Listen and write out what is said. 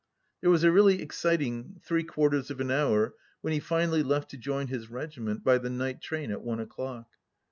There was a really exciting three quarters of an hour when he finally left to join his regiment by the night train at one o'clock!